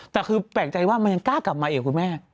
แต่คือแปลกใจว่ามันยังกล้ากลับมาอีกคุณแม่